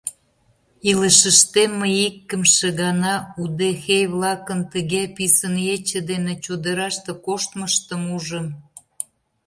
Илышыштем мый икымше гана удэхей-влакын тыге писын ече дене чодыраште коштмыштым ужым.